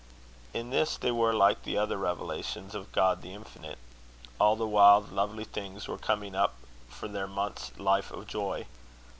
In this, they were like the other revelations of God the Infinite. All the wild lovely things were coming up for their month's life of joy.